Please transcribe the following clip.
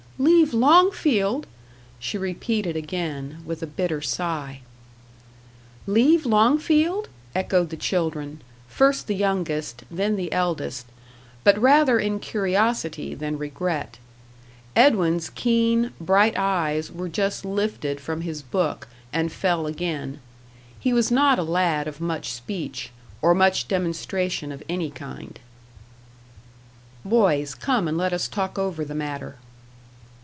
"Leave Longfield!" she repeated again, with a bitter sigh. "Leave Longfield!" echoed the children, first the youngest, then the eldest, but rather in curiosity than regret. Edwin's keen, bright eyes were just lifted from his book, and fell again; he was not a lad of much speech, or much demonstration of any kind. "Boys, come and let us talk over the matter."